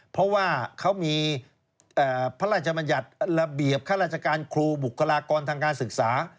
เพราะว่าเขามีพระราชมัญญัติระเบียบข้าราชการครูบุคลากรทางการศึกษา